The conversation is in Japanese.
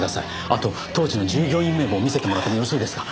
あと当時の従業員名簿を見せてもらってもよろしいですか？